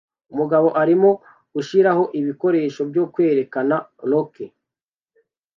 Umugabo arimo gushiraho ibikoresho byo kwerekana rock